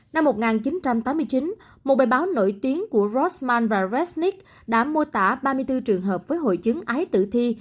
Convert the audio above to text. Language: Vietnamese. năm một nghìn chín trăm tám mươi chín một bài báo nổi tiếng của rosman và resniq đã mô tả ba mươi bốn trường hợp với hội chứng ái tử thi